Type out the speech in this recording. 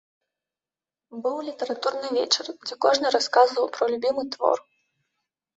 Быў літаратурны вечар, дзе кожны расказваў пра любімы твор.